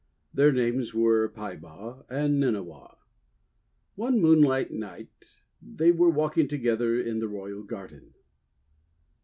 Their names were Peibaw and Nynniaw. One moonlight night they were walking together in the royal garden.